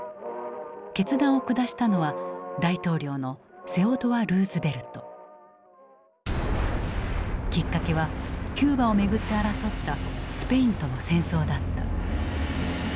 決断を下したのはきっかけはキューバをめぐって争ったスペインとの戦争だった。